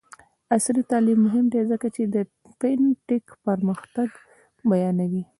عصري تعلیم مهم دی ځکه چې د فین ټیک پرمختګ بیانوي.